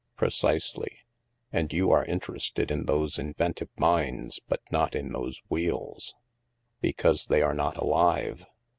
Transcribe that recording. "Precisely; and you are interested in those in ventive minds, but not in those wheels." Because they are not alive."